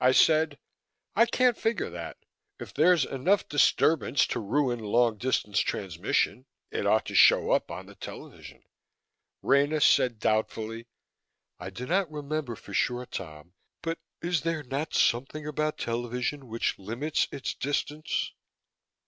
I said, "I can't figure that. If there's enough disturbance to ruin long distance transmission, it ought to show up on the television." Rena said doubtfully, "I do not remember for sure, Tom, but is there not something about television which limits its distance?"